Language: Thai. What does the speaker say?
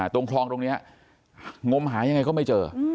ตรงคลองตรงนี้งมหายังไงก็ไม่เจอ